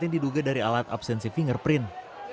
yang diduga dari alat absensi fingerprint